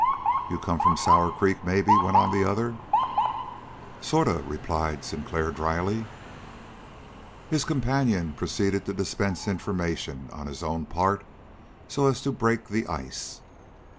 "You come from Sour Creek, maybe?" went on the other. "Sort of," replied Sinclair dryly. His companion proceeded to dispense information on his own part so as to break the ice.